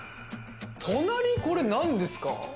隣、これなんですか？